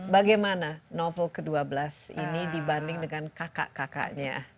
bagaimana novel ke dua belas ini dibanding dengan kakak kakaknya